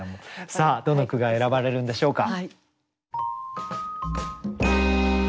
さあどの句が選ばれるんでしょうか。